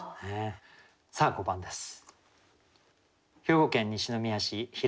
さあ５番です。